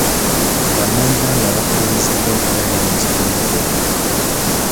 Bannayuganda bakubiriziddwa okubeera n'ekigendererwa.